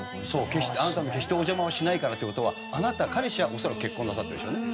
「あなたの決してお邪魔はしないから」って事はあなた彼氏は恐らく結婚なさってる人ね。